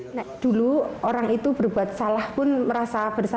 india vian itu didengarkan kali ini encontrakan melototjos wisdom prioritas informasi uang biasa